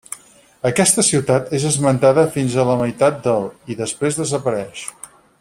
Aquesta ciutat és esmentada fins a la meitat del i després desapareix.